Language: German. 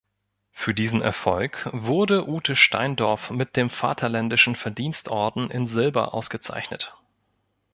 Für diesen Erfolg wurde Ute Steindorf mit dem Vaterländischen Verdienstorden in Silber ausgezeichnet.